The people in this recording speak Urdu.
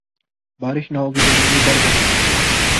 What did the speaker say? بارش نہ ہوتو گرمی بڑھ جاتی ہے۔